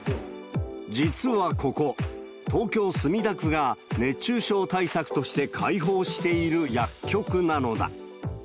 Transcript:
実はここ、東京・墨田区が熱中症対策として開放している薬局なのだ。